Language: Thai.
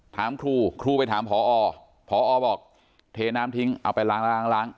ถามครูครูไปถามพอพอบอกเทน้ำทิ้งเอาไปล้างล้าง